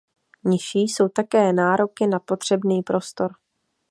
Nižší jsou také nároky na potřebný prostor.